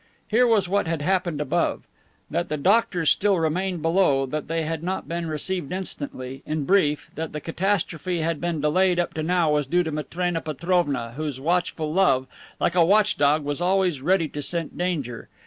Here was what had happened above. That the "doctors" still remained below, that they had not been received instantly, in brief, that the catastrophe had been delayed up to now was due to Matrena Petrovna, whose watchful love, like a watch dog, was always ready to scent danger.